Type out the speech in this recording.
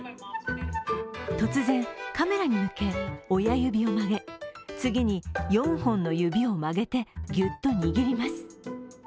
突然、カメラに向け親指を曲げ次に４本の指を曲げてギュッと握ります。